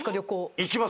行きます。